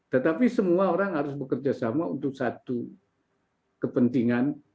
tetapi semua orang harus bekerja sama untuk satu kepentingan